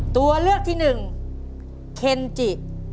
ตัวเลือกที่๑เคนจิ